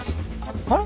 あれ？